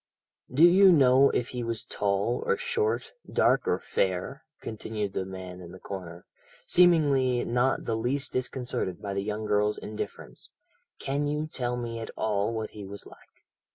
"Do you know if he was tall or short, dark or fair?" continued the man in the corner, seemingly not the least disconcerted by the young girl's indifference. "Can you tell me at all what he was like?"